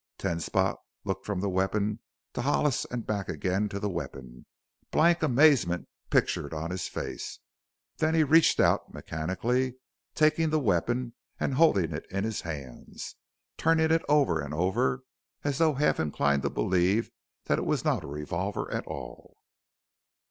Ten Spot looked from the weapon to Hollis and back again to the weapon, blank amazement pictured on his face. Then he reached out mechanically, taking the weapon and holding it in his hands, turning it over and over as though half inclined to believe that it was not a revolver at all.